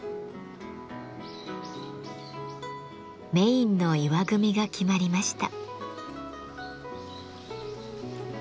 メインの石組が決まりました。